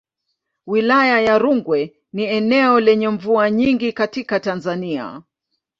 Wilaya ya Rungwe ni eneo lenye mvua nyingi katika Tanzania.